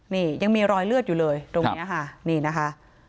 นี่ยังมีรอยเลือดอยู่เลยตรงนี้ค่ะนี่นะคะ